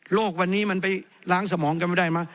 วันนี้มันไปล้างสมองกันไม่ได้มั้